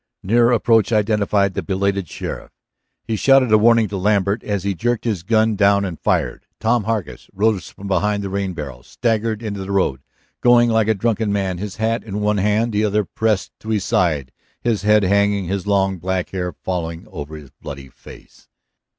Nearer approach identified the belated sheriff. He shouted a warning to Lambert as he jerked his gun down and fired. Tom Hargus rose from behind the rain barrel, staggered into the road, going like a drunken man, his hat in one hand, the other pressed to his side, his head hanging, his long black hair falling over his bloody face.